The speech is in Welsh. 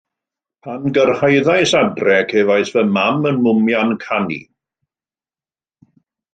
Pan gyrhaeddais adre, cefais fy mam yn mwmian canu.